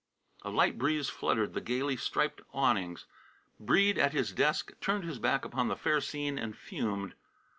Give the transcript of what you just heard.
A light breeze fluttered the gayly striped awnings. Breede, at a desk, turned his back upon the fair scene and fumed.